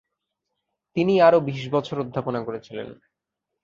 তিনি আরও বিশ বছর অধ্যাপনা করেছিলেন।